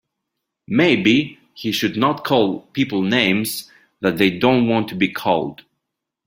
Maybe he should not call people names that they don't want to be called.